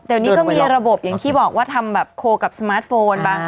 แต่วันนี้ก็มีระบบอย่างที่บอกว่าทำโคกับสมาร์ทโฟน